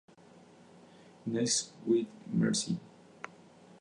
Nice without Mercy.